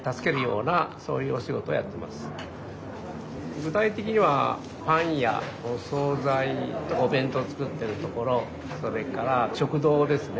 具体的にはパン屋お総菜お弁当作ってるところそれから食堂ですね